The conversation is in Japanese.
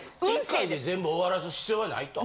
１回で全部終わらす必要はないと。